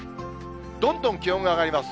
どんどん気温が上がります。